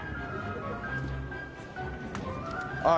ああ